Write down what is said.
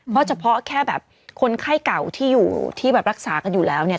เพราะเฉพาะแค่แบบคนไข้เก่าที่อยู่ที่แบบรักษากันอยู่แล้วเนี่ย